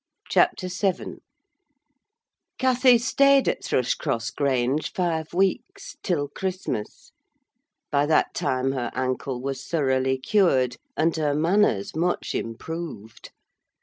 CHAPTER VII Cathy stayed at Thrushcross Grange five weeks: till Christmas. By that time her ankle was thoroughly cured, and her manners much improved.